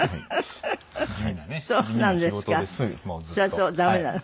それはダメなの？